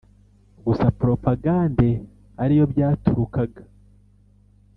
gusa propagande ariyo byaturukaga